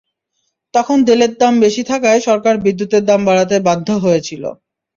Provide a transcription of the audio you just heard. তখন তেলের দাম বেশি থাকায় সরকার বিদ্যুতের দাম বাড়াতে বাধ্য হয়েছিল।